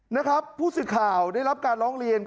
นะครับผู้สื่อข่าวได้รับการร้องเรียน